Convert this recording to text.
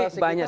ya ini banyak